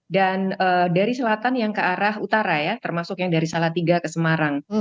dan dari selatan yang ke arah utara ya termasuk yang dari salatiga ke semarang